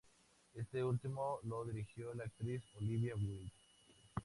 Este último lo dirigió la actriz Olivia Wilde.